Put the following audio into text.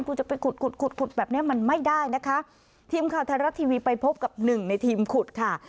คุณจะไปขุดขุดขุดขุดแบบเนี้ยมันไม่ได้นะคะทีมข่าวไทยรัฐทีวีไปพบกับหนึ่งในทีมขุดค่ะ